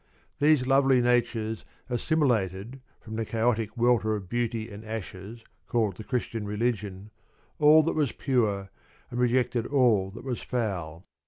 These lovely natures assimilated from the chaotic welter of beauty and ashes called the Christian religion all that was pure, and rejected all that was foul.